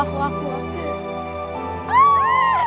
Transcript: tidak ada yang bisa dihukum